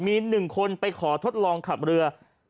มี๑คนไปขอทดลองขับเรือ